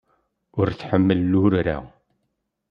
Ur tḥemmel urar-a.